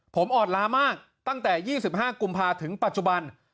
ผมอ่อนล้ามากตั้งแต่๒๕กุมภาถึงปัจจุบัน